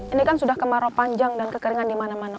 ini kan sudah kemarau panjang dan kekeringan dimana mana